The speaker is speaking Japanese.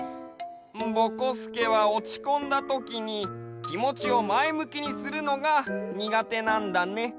ぼこすけはおちこんだときにきもちをまえむきにするのがにがてなんだね。